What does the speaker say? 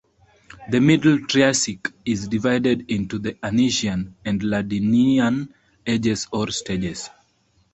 The Middle Triassic is divided into the Anisian and Ladinian ages or stages.